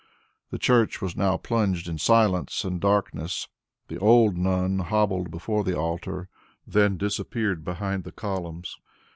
The church was now plunged in silence and darkness; the old nun hobbled before the altar, then disappeared behind the columns.